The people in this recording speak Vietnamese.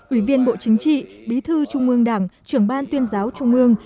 ủy viên bộ chính trị bí thư trung ương đảng trưởng ban tuyên giáo trung ương